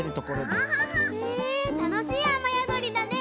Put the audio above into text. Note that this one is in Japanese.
へぇたのしいあまやどりだね！